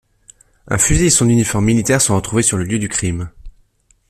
Un fusil et son uniforme militaire sont retrouvés sur le lieu du crime.